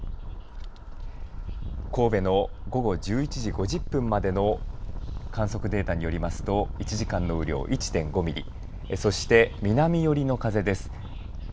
神戸の午後１１時５０分までの観測データによりますと１時間の雨量、１．５ミリそして南寄りの風です。